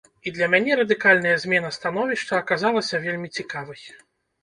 І для мяне радыкальная змена становішча аказалася вельмі цікавай.